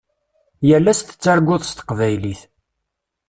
Yal ass tettarguḍ s teqbaylit.